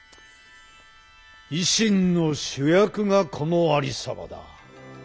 維新の主役がこのありさまだ。